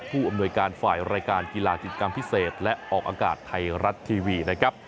ผู้อำนวยการฝ่ายรายการกีฬากิจกรรมพิเศษและออกอากาศไทยรัฐทีวีนะครับ